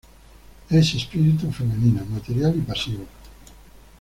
Es espíritu femenino, material y pasivo.